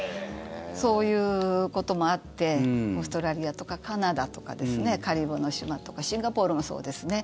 そういうこともあってオーストラリアとかカナダとかカリブの島とかシンガポールもそうですね